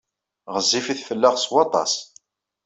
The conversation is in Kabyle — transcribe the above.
Ɣezzifit fell-aɣ s waṭas.